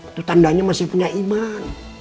itu tandanya masih punya iman